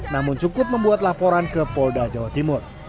namun cukup membuat laporan ke polda jawa timur